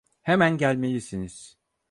Hemen gelmelisiniz.